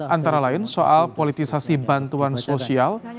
antara lain soal politisasi bantuan sosial